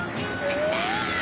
うわ！